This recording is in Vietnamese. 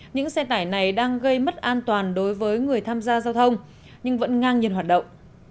những xe tải này đang gây mất an toàn đối với người tham gia giao thông nhưng vẫn ngang nhiên hoạt động